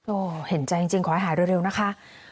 โอ้โหเห็นใจจริงขอให้หายเร็วนะคะ